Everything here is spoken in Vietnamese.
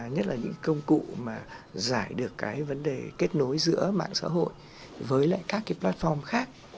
nhất là những công cụ mà giải được cái vấn đề kết nối giữa mạng xã hội với lại các cái platform khác